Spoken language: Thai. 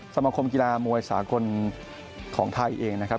สมคมกีฬามวยสากลของไทยเองนะครับ